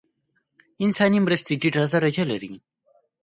انساني مرستې ټیټه درجه لري.